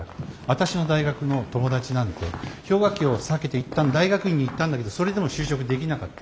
私の大学の友達なんて氷河期を避けていったん大学院に行ったんだけどそれでも就職できなかった。